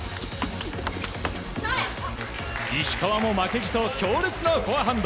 石川も負けじと強烈なフォアハンド。